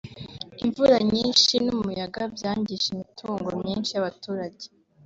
imvura nyinshi n’umuyaga byangije imitungo myinshi y’abaturage